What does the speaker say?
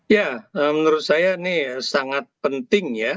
ya menurut saya ini sangat penting ya